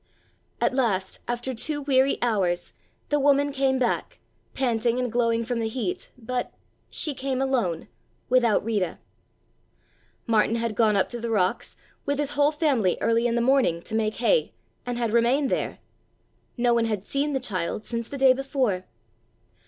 At last, after two weary hours, the woman came back, panting and glowing from the heat, but—she came alone, without Rita. Martin had gone up to the rocks, with his whole family early in the morning, to make hay, and had remained there. No one had seen the child since the day before.